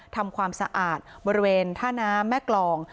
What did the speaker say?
ทำความสะอาดบริเวณท่าน้ำแม่กรอง